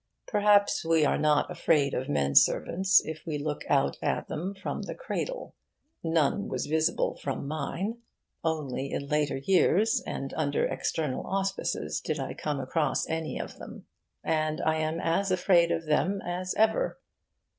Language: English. Perhaps we are not afraid of menservants if we look out at them from the cradle. None was visible from mine. Only in later years and under external auspices did I come across any of them. And I am as afraid of them as ever.